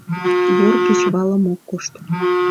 Вор кечывалым ок кошт.